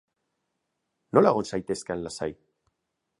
Nola egon zaitezke hain lasai?